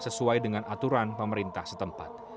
sesuai dengan aturan pemerintah setempat